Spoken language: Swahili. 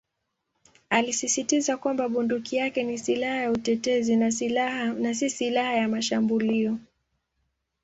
Alisisitiza kwamba bunduki yake ni "silaha ya utetezi" na "si silaha ya mashambulio".